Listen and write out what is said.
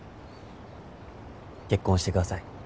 結婚してください。